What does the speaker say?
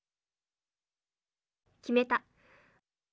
決めた！